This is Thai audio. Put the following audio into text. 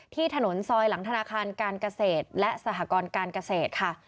ที่ถนนซอยหลังธนาคารการเกษตรและสหกรการเกษตรค่ะ